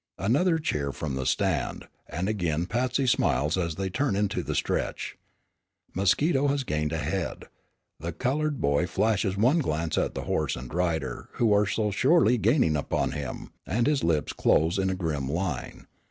Another cheer from the stand, and again Patsy smiles as they turn into the stretch. Mosquito has gained a head. The colored boy flashes one glance at the horse and rider who are so surely gaining upon him, and his lips close in a grim line.